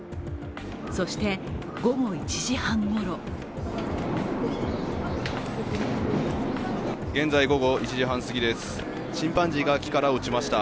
そして午後１時半ごろ現在午後１時半すぎです、チンパンジーが木から落ちました。